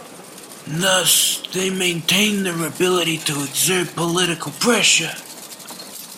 Thus, they maintained their ability to exert political pressure.